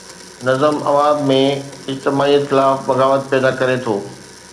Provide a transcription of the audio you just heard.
نظم عوام ۾ اجتماعيت خلاف بغاوت پيدا ڪري ٿو.